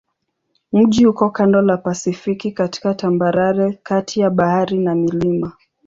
Mji uko kando la Pasifiki katika tambarare kati ya bahari na milima.